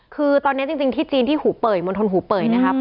คือตอนนี้จริงที่จีนที่หูเป่ยมณฑลหูเป่ยนะครับ